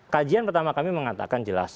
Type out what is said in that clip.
kajian pertama kami mengatakan jelas